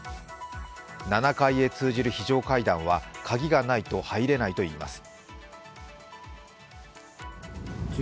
７階へ通じる非常階段は鍵がないと入れないといいます。